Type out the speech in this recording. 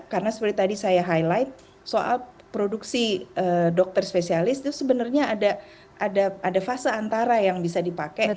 karena seperti tadi saya highlight soal produksi dokter spesialis itu sebenarnya ada fase antara yang bisa dipakai